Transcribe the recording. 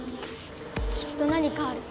きっと何かある。